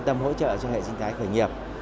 trong hệ sinh thái khởi nghiệp